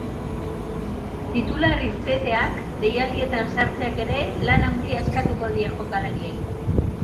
Titular irteteak, deialdietan sartzeak ere, lan handia eskatuko diete jokalariei.